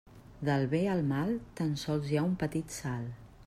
Del bé al mal tan sols hi ha un petit salt.